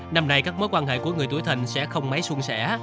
năm nay các mối quan hệ của người tuổi thình sẽ không mấy xuân xẻ